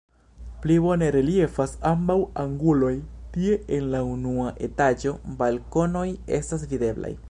Pli bone reliefas ambaŭ anguloj, tie en la unua etaĝo balkonoj estas videblaj.